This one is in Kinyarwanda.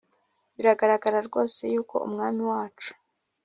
biragaragara rwose yuko umwami wacu